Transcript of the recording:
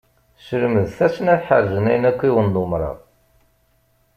Slemdet-asen ad ḥerzen ayen akk i wen-d-umṛeɣ.